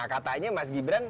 nah katanya mas gibran